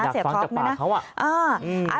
อยากฟังจากปากเขา